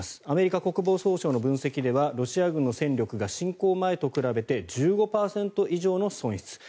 アメリカ国防総省の分析ではロシア軍の戦力が侵攻前と比べて１５％以上の損失。